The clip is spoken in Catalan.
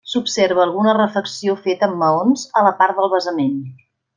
S'observa alguna refecció feta amb maons a la part del basament.